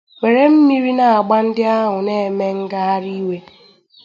were mmiri na-agba ndị ahụ na-eme ngagharị iwe